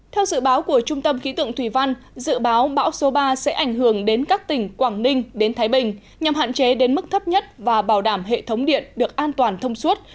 theo dự báo của trung tâm khí tượng thủy văn dự báo bão số ba sẽ ảnh hưởng đến các tỉnh quảng ninh đến thái bình nhằm hạn chế đến mức thấp nhất và bảo đảm hệ thống điện được an toàn thông suốt